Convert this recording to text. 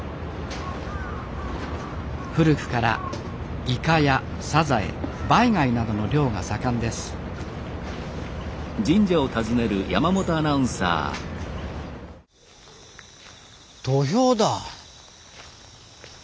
古くからイカやサザエバイ貝などの漁が盛んです土俵だ。